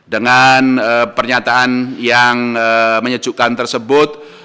dengan pernyataan yang menyejukkan tersebut